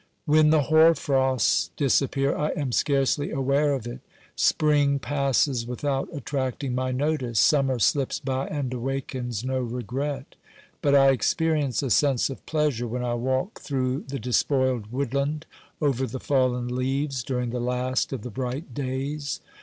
When the hoar frosts disappear I am scarcely aware of it; spring passes without attracting my notice; summer slips by and awakens no regret. But I experience a sense of pleasure when I walk through the despoiled wood land, over the fallen leaves, during the last of the bright days.